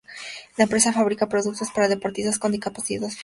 La empresa fabrica productos para deportistas con discapacidad física.